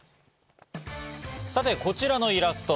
さて、こちらのイラスト。